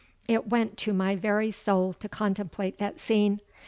It went to my very soul to contemplate that scene!